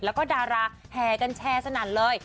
แล้วก็ดาราแห่กันแชร์สนั่นเลย